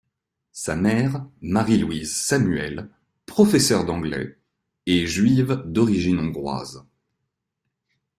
Sa mère, Marie-Louise Samuel, professeur d'anglais, est juive d'origine hongroise.